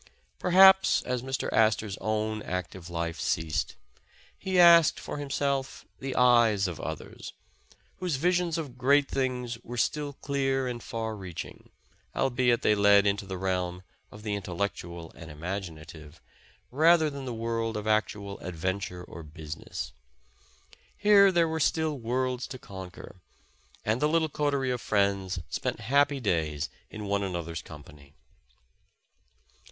Perhaps, as Mr. Astor 's own active life ceased, he asked for himself the eyes of others, whose Adsions of great things were still clear and far reaching, albeit they led into the realm of the intellectual and imagina tive, rather than the world of actual adventure or busi ness. Here there were still worlds to conquer, and the little coterie of friends spent happy days in one an other's company.